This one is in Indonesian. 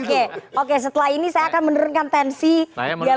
oke oke setelah ini saya akan menurunkan tensi dialog